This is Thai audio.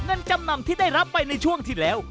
เงินจำนำที่ได้รับไปในช่วงที่แล้ว